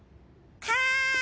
はい！